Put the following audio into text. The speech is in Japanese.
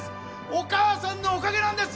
お母さんのおかげなんです！